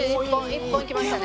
１本いきましたね。